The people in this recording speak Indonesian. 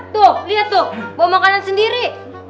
tuh lihat tuh bawa makanan sendiri